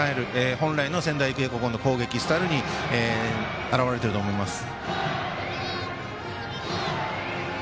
本来の仙台育英の攻撃スタイルに表れていると思います。